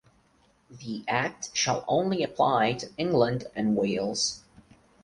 The act shall only apply to England and Wales.